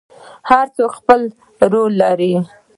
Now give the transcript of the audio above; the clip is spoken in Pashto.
هر څوک خپل رول لري